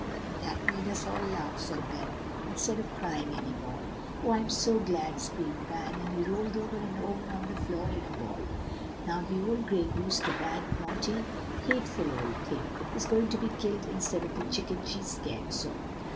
and that made us all laugh," said Ben, "instead of crying any more." "Oh, I'm so glad!" screamed Van; and he rolled over and over on the floor in a ball. "Now the old gray goose, the bad, naughty, hateful old thing, is going to be killed, instead of the chicken she scared so."